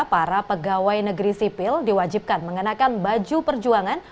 para pegawai negeri sipil diwajibkan mengenakan baju perjuangan